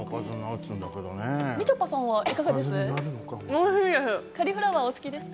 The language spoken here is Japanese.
みちょぱさんは、いかがです？